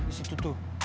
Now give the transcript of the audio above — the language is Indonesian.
di situ tuh